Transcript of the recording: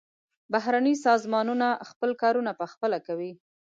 بهرني سازمانونه خپل کارونه پخپله کوي.